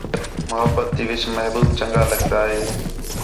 محبت تی وِِچ محبو ب چَنڳا لڳدا ہے